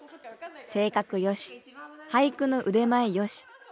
性格よし俳句の腕前よし。